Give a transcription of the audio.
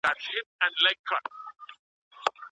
که منفي سلوک بدل سي مينه به زياته سي.